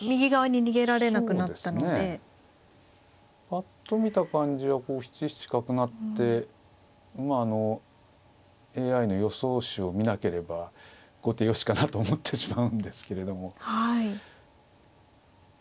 ぱっと見た感じは７七角成ってまああのＡＩの予想手を見なければ後手よしかなと思ってしまうんですけれども。